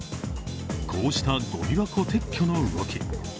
こうしたごみ箱撤去の動き。